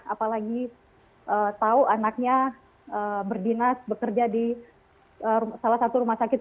apalagi tahu anaknya berdinas bekerja di salah satu rumah sakit